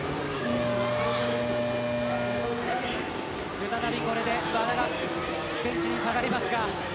再び和田がベンチに下がります。